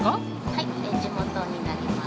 はい地元になります。